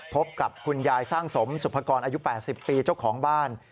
พบกับคุณยายสร้างสมสุภกรอายุ๘๐ปีเจ้าของบ้าน